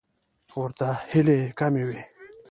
ورته هیلې کمې وې.